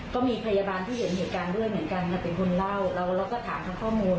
ก็มีพยาบาลที่เห็นเหตุการณ์ด้วยเหมือนกันมาเป็นคนเล่าแล้วเราก็ถามทั้งข้อมูล